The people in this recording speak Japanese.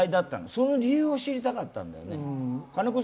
その理由を知りたかったんだよね。